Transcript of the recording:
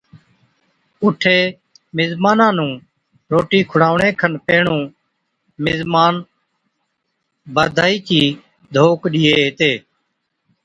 اُٺي مزمانان نُون روٽِي کُڙاوڻي کن پيھِڻِيُون، مزمان باڌائِي چي ڏوڪڙ ڏيئي ھِتي،